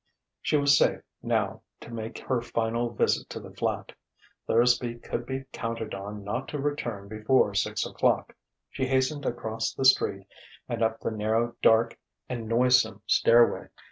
She was safe, now, to make her final visit to the flat. Thursby could be counted on not to return before six o'clock. She hastened across the street and up the narrow, dark and noisome stairway....